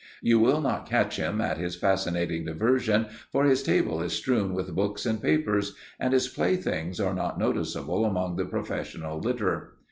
You will not catch him at his fascinating diversion, for his table is strewn with books and papers, and his playthings are not noticeable amongst the professional litter.